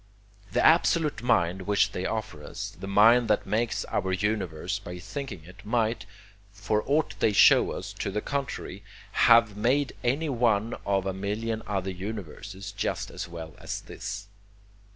The absolute mind which they offer us, the mind that makes our universe by thinking it, might, for aught they show us to the contrary, have made any one of a million other universes just as well as this.